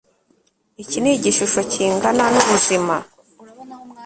Iki ni igishusho kingana nubuzima